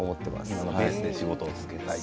今のペースで仕事を続けたい。